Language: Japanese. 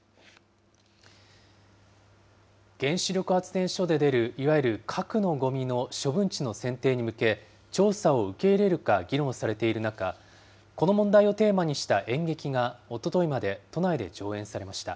原子力発電所で出る、いわゆる核のごみの処分地の選定に向け、調査を受け入れるか議論されている中、この問題をテーマにした演劇が、おとといまで都内で上演されました。